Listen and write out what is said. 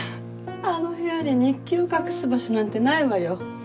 あの部屋に日記を隠す場所なんてないわよ。